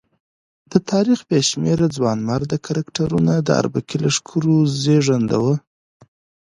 د تاریخ بې شمېره ځوانمراده کرکټرونه د اربکي لښکرو زېږنده وو.